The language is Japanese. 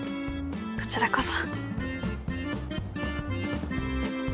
こちらこそ。